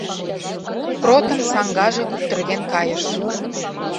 Кротын саҥгаже куптырген кайыш.